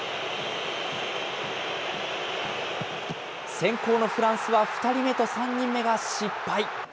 先攻のフランスは２人目と３人目が失敗。